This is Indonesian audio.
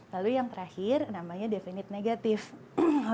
lalu yang terakhir namanya definite negative